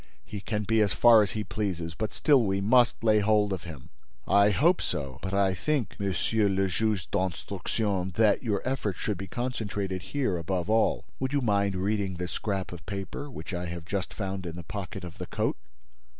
"He can be as far as he pleases, but still we must lay hold of him." "I hope so; but I think, Monsieur le Juge d'Instruction, that your efforts should be concentrated here above all. Would you mind reading this scrap of paper, which I have just found in the pocket of the coat?"